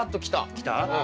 きた？